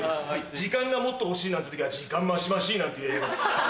時間がもっと欲しいなんて時は「時間マシマシ」なんて言えます。